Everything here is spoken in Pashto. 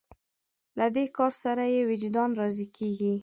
له دې کار سره یې وجدان راضي کېږي.